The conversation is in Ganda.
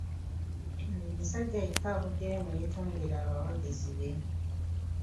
Oyo ye musajja yekka avuddeyo ne yeetondera abawagizi be.